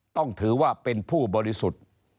ต้องถือว่าเป็นผู้บริสุทธิ์